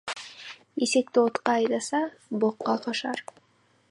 Есекті отқа айдаса, боққа қашар.